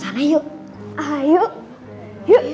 sepertinya kapalan itu bram barm